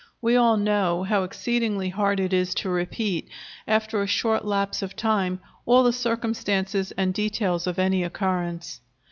We all know how exceedingly hard it is to repeat, after a short lapse of time, all the circumstances and details of any occurrence.